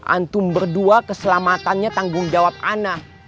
antum berdua keselamatannya tanggung jawab ana